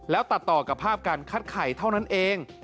แล้วตัดต่อกับภาพการคัดไข่เท่านั้นเอง